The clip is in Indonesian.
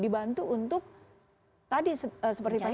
dibantu untuk tadi seperti pak heri bilang